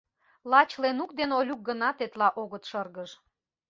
Лач Ленук ден Олюк гына тетла огыт шыргыж.